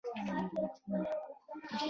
د زړورو اتلانو کیسه د صبر او وفادارۍ نښه ده.